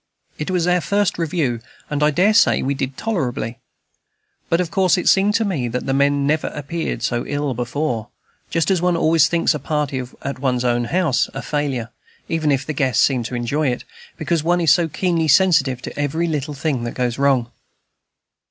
It was our first review, and I dare say we did tolerably; but of course it seemed to me that the men never appeared so ill before, just as one always thinks a party at one's own house a failure, even if the guests seem to enjoy it, because one is so keenly sensitive to every little thing that goes wrong.